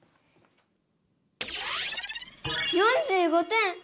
４５点！